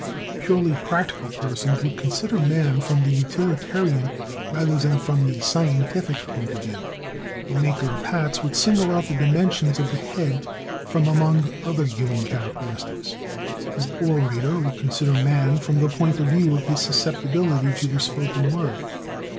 Purely practical persons would consider man from the utilitarian rather than from the scientific point of view; a maker of hats would single out the dimensions of the head from among other human characteristics; an orator would consider man from the point of view of his susceptibility to the spoken word.